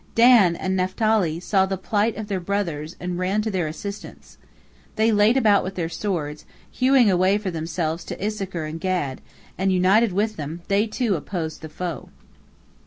Dan and Naphtali saw the plight of their brothers and ran to their assistance. They laid about with their swords, hewing a way for themselves to Issachar and Gad, and, united with them, they, too, opposed the foe.